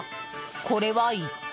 これは一体？